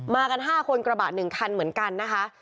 กัน๕คนกระบะ๑คันเหมือนกันนะคะ